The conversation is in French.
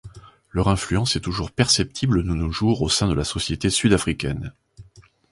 Leur influence est toujours perceptible de nos jours au sein de la société sud-africaine.